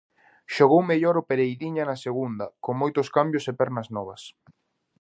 Xogou mellor o Pereiriña na segunda, con moitos cambios e pernas novas.